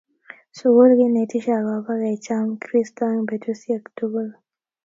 Sukul kinetishe akobo kecham Kristo eng betusiek tukul